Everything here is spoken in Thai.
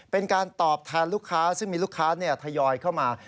เป็นการตอบแทนลูกค้าซึ่งมีลูกค้าทยอยเข้ามา